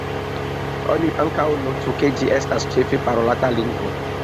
Oni ankaŭ notu, ke ĝi estas ĉefe parolata lingvo.